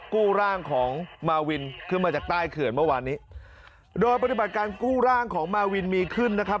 กู้ร่างของมาวินขึ้นมาจากใต้เขื่อนเมื่อวานนี้โดยปฏิบัติการกู้ร่างของมาวินมีขึ้นนะครับ